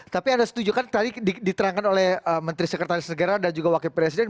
tapi ada setujukan tadi diterangkan oleh menteri sekretaris negara dan juga wakil presiden